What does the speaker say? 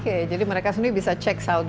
oke jadi mereka sendiri bisa cek south